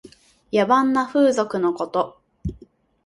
野蛮な風俗のこと。